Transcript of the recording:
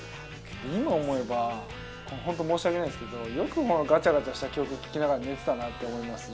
今思えば本当申し訳ないんですけどよくまあガチャガチャした曲聴きながら寝てたなって思います